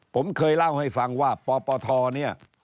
ผมเคยเล่าให้ฟังว่าปปทเนี่ย